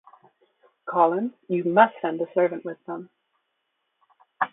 Collins, you must send a servant with them.